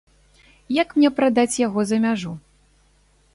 Як мне прадаць яго за мяжу?